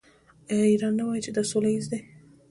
آیا ایران نه وايي چې دا سوله ییز دی؟